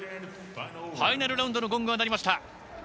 ファイナルラウンドのゴングが鳴りました。